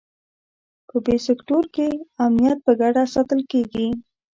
په بي سیکټور کې امنیت په ګډه ساتل کېږي.